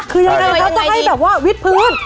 คือยังไงครับจะให้แบบว่าวิทพืช